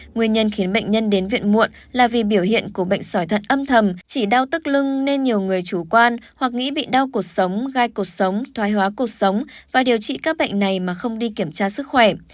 nguyên nhân khiến bệnh nhân đến viện muộn là vì biểu hiện của bệnh sỏi thận âm thầm chỉ đau tức lưng nên nhiều người chủ quan hoặc nghĩ bị đau cuộc sống gai cột sống thoái hóa cuộc sống và điều trị các bệnh này mà không đi kiểm tra sức khỏe